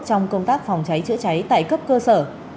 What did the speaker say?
trong công tác phòng cháy chữa cháy tại cấp cơ sở